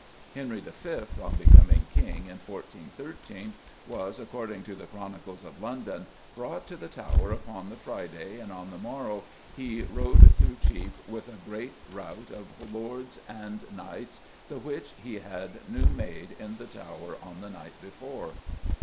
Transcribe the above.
Henry V., on becoming King in 1413, was, according to the Chronicles of London, "brought to the Tower upon the Fryday, and on the morowe he rood through Chepe with a grete rought of lordes and knyghtes, the whiche he hadde newe made in the Tower on the night before."